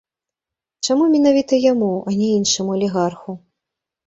Чаму менавіта яму, а не іншаму алігарху?